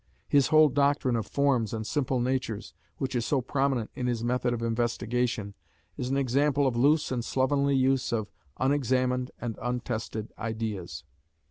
His whole doctrine of "Forms" and "Simple natures," which is so prominent in his method of investigation, is an example of loose and slovenly use of unexamined and untested ideas.